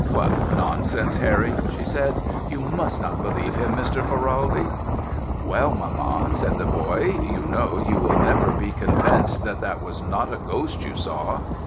"'What nonsence, Harry,' she said. 'You must not believe him, Mr. Ferraldi.' "'Well mamma,' said the boy, 'you know you will never be convinced that that was not a ghost you saw.'